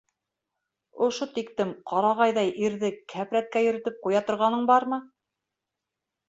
Ошо тиктем ҡарағайҙай ирҙе кәпрәткә йөрөтөп ҡуя торғаның бармы?